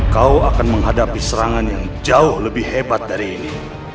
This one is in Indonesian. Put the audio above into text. kau akan menghadapi serangan yang jauh lebih hebat dari ini